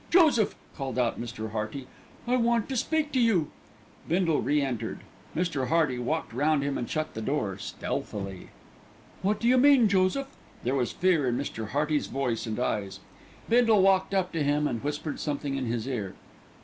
"Joseph," called out Mr. Hearty, "I want to speak to you." Bindle re entered. Mr. Hearty walked round him and shut the door stealthily. "What do you mean, Joseph?" There was fear in Mr. Hearty's voice and eyes. Bindle walked up to him and whispered something in his ear.